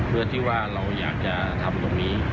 เพื่อที่ว่าเราอยากจะทำตรงนี้